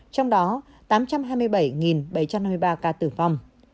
trong đó tám trăm hai mươi bảy bảy trăm năm mươi ba ca tử vong